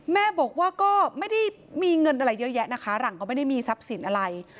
แม่บอกว่าก็ไม่ได้มีเงินอะไรเยอะแยะนะคะหลังก็ไม่ได้มีทรัพย์สินอะไร